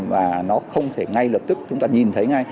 và nó không thể ngay lập tức chúng ta nhìn thấy ngay